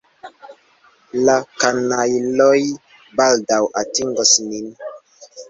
La kanajloj baldaŭ atingos nin.